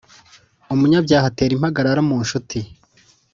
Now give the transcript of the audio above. Umunyabyaha atera impagarara mu ncuti,